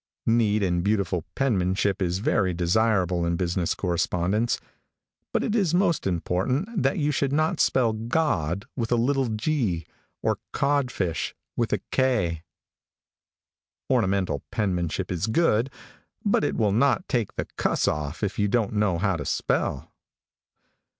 Neat and beautiful penmanship is very desirable in business correspondence, but it is most important that you should not spell God with a little g or codfish with a k. Ornamental penmanship is good, but it will not take the cuss off if you don't know how to spell.